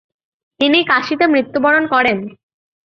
তিনি কাশীতে মৃত্যুবরণ করেন।